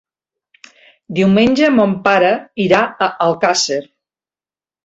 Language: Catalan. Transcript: Diumenge mon pare irà a Alcàsser.